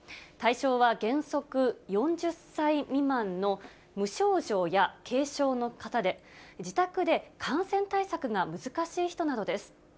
対象は原則４０歳未満の無症状や軽症の方で、自宅で感染対策が難しい人などです。